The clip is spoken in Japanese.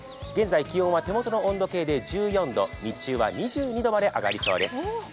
現在気温は手元の温度計で１４度、日中は２２度まで上がりそうです。